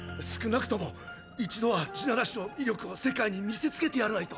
⁉少なくとも一度は「地鳴らし」の威力を世界に見せつけてやらないと。